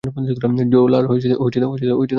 ঝোলার ডাওর নামছে।